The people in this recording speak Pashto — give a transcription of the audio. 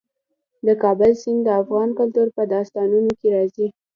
د کابل سیند د افغان کلتور په داستانونو کې راځي.